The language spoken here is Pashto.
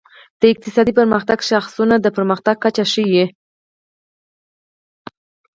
د اقتصادي پرمختګ شاخصونه د پرمختګ کچه ښيي.